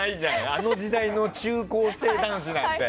あの時代の中高生男子なんて。